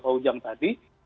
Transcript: pak ujang tadi